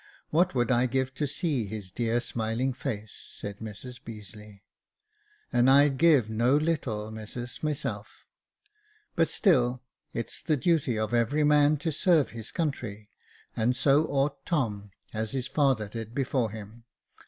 What would I give to see his dear smiling face !" said Mrs Beazeiey. *' And I'd give no little, missus, myself. But still, it's 'T^'jG Jacob Faithful the duty for every man to serve his country ; and so ought Tom, as his father did before him.